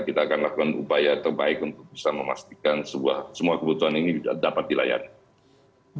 kita akan lakukan upaya terbaik untuk bisa memastikan semua kebutuhan ini dapat dilayani